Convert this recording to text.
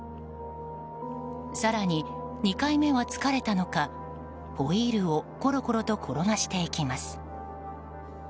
更に、２回目は疲れたのかホイールをころころと転がしていきます。